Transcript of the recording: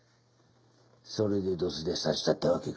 それでドスで刺したってわけか？